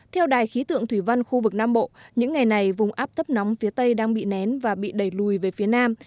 theo đài khí tượng thủy văn khu vực nam bộ những ngày này vùng áp thấp nóng phía tây đang bị nén và bị đẩy lùi về phía nam